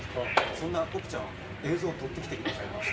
そんなぽぷちゃんの映像を撮って来てくださいました。